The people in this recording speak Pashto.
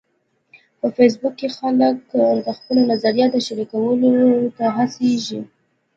په فېسبوک کې خلک د خپلو نظریاتو شریکولو ته هڅیږي.